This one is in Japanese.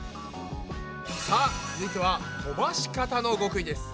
さあ続いては飛ばし方の極意です。